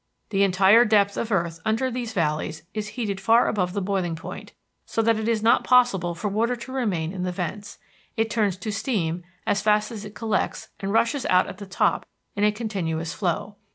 The entire depth of earth under these valleys is heated far above boiling point, so that it is not possible for water to remain in the vents; it turns to steam as fast as it collects and rushes out at the top in continuous flow.